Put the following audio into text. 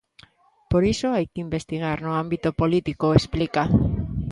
"Por iso hai que investigar no ámbito político", explica.